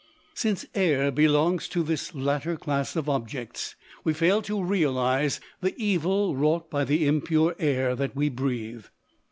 Since air belongs to this latter class of objects, we fail to realise the evil wrought by the impure air that we breathe.